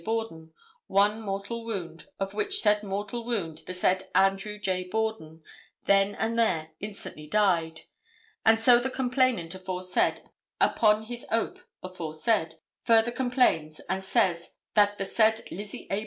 Borden, one mortal wound, of which said mortal wound the said Andrew J. Borden then and there instantly died. And so the complainant aforesaid, upon his oath aforesaid, further complains and says that the said Lizzie A.